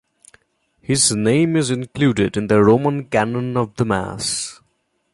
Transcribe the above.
His name is included in the Roman Canon of the Mass.